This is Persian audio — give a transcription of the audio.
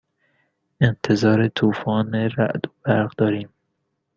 انتظار طوفان رعد و برق داریم.